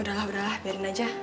udah lah udah lah biarin aja